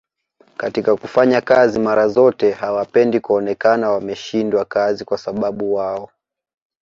katika kufanya kazi mara zote hawapendi kuonekana wameshindwa kazi kwasababu wao